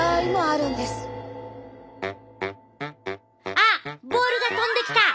あっボールが飛んできた。